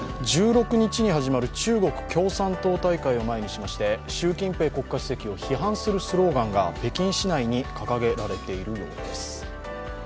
１６日に始まる中国共産党大会を前にしまして習近平国家主席を批判するスローガンが北京市内に掲げられているようです。